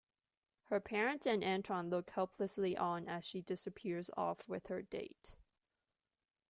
Her parents and Antoine look helplessly on as she disappears off with her date.